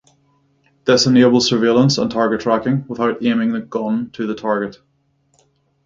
This enables surveillance and target tracking without aiming the gun to the target.